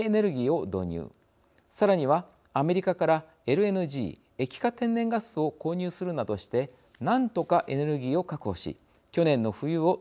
さらにはアメリカからＬＮＧ液化天然ガスを購入するなどしてなんとかエネルギーを確保し去年の冬を乗り切りました。